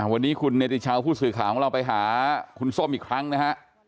วันนี้คุณเนติชาวผู้สื่อข่าวของเราไปหาคุณส้มอีกครั้งนะฮะ